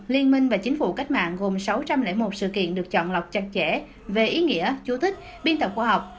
liên minh và chính phủ cách mạng gồm sáu trăm linh một sự kiện được chọn lọc chặt chẽ về ý nghĩa chú thích biên tập khoa học